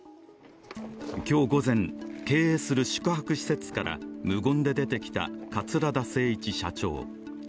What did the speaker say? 今日午前、経営する宿泊施設から無言ででてきた桂田精一社長。